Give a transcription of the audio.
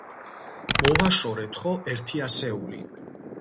მოვაშორეთ, ხო, ერთი ასეული?